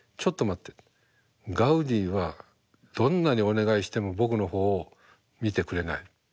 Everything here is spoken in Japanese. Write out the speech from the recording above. ガウディはどんなにお願いしても僕の方を見てくれない。